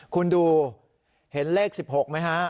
คุณดูเห็นเลข๑๖ไหมฮะ